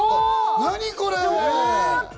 何これ？